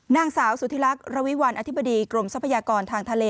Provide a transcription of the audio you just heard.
นางสาวสุธิรักษ์ระวิวัลอธิบดีกรมทรัพยากรทางทะเล